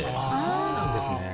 そうなんですね。